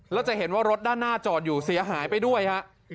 แล้วจะเห็นว่ารถด้านหน้าจอดอยู่เสียหายไปด้วยฮะ